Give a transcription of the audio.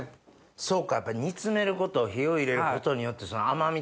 そうか煮詰めること火を入れることによって甘みとか。